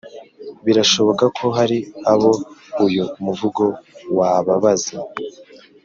Birashoboka ko hari abo uyu muvugo wababaza